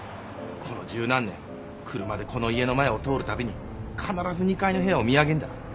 この十何年車でこの家の前を通るたびに必ず２階の部屋を見上げんだ。